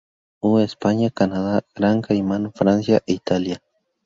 U., España, Canadá, Gran Caimán, Francia, Italia